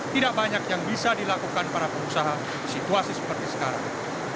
tidak banyak yang bisa dilakukan para pengusaha di situasi seperti sekarang